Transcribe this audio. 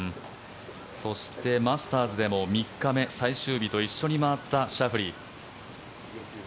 そしてマスターズでも３日目、最終日と一緒に回ったシャフリー。